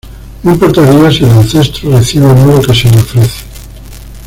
No importaría si el ancestro recibe o no lo que se le ofrece.